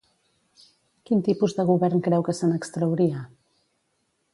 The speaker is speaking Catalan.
Quin tipus de govern creu que se n'extrauria?